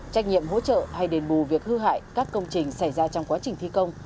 trách nhiệm hỗ trợ hay đền bù việc hư hại các công trình xảy ra trong quá trình thi công